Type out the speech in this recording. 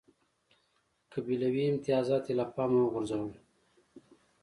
قبیلوي امتیازات یې له پامه وغورځول.